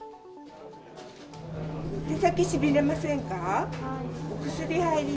手先しびれませんか？